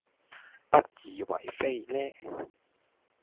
不以爲非呢？